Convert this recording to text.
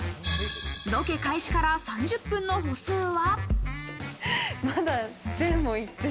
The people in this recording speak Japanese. ロケ開始から３０分の歩数は。